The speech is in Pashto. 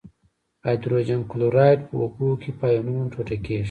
هایدروجن کلوراید په اوبو کې په آیونونو ټوټه کیږي.